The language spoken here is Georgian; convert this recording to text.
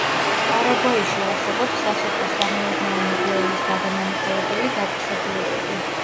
პარაგვაიში არსებობს სასოფლო სამეურნეო ნედლეულის გადამამუშავებელი დაწესებულებები.